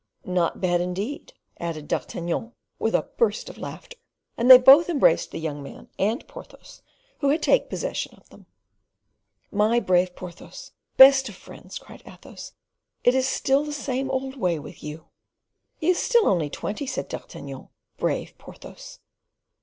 "Not bad, indeed!" added D'Artagnan, with a burst of laughter, and they both embraced the young man and Porthos, who had taken possession of them. "My brave Porthos! best of friends," cried Athos, "it is still the same old way with you." "He is still only twenty," said D'Artagnan, "brave Porthos!"